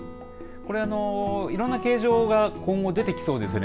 これいろんな形状が今後出てきそうですね。